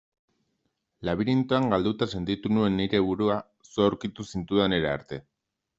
Labirintoan galduta sentitu nuen nire burua zu aurkitu zintudanera arte.